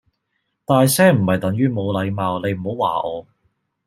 大聲唔係等於冇禮貌你唔好話我